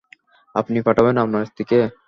আপনি পাঠাবেন আপনার স্ত্রীকে?